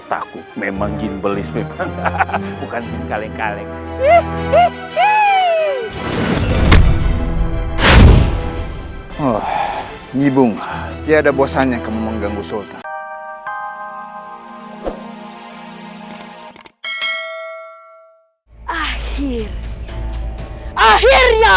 sampai jumpa di video selanjutnya